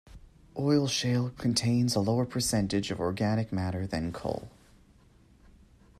Oil shale contains a lower percentage of organic matter than coal.